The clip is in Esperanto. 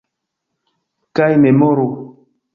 - Kaj memoru!